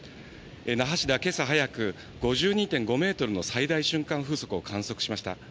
那覇市ではけさ早く、５２．５メートルの最大瞬間風速を観測しました。